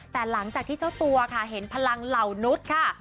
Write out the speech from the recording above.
แต่หลังจากที่เจ้าตัวค่ะเห็นพลังเหล่านุษย์ค่ะ